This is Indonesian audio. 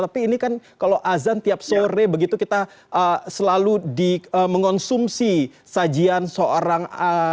tapi ini kan kalau azan tiap sore begitu kita selalu mengonsumsi sajian seorang